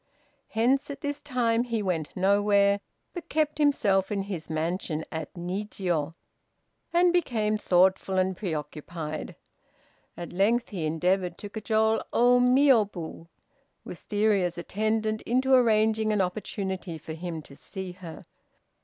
Hence at this time he went nowhere, but kept himself in his mansion at Nijiô, and became thoughtful and preoccupied. At length he endeavored to cajole Ô Miôbu, Wistaria's attendant, into arranging an opportunity for him to see her.